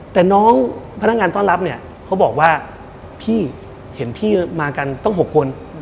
แต่น้องพนักงานต้อนรับเนี่ยเขาบอกว่าพี่เห็นพี่มากันต้อง๖คน